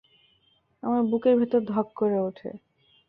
আমার বুকের ভেতর ধক করে উঠে।